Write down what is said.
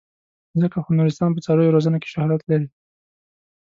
ځکه خو نورستان په څارویو روزنه کې شهرت لري.